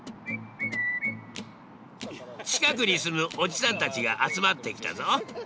近くに住むおじさんたちが集まってきたぞ。